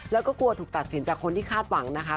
แล้วก็กลัวถูกตัดสินจากคนที่คาดหวังนะคะ